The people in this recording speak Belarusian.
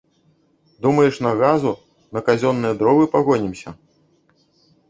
Думаеш, на газу, на казённыя дровы пагонімся?